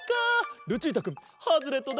ルチータくんハズレットだ！